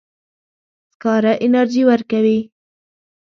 سکاره انرژي ورکوي.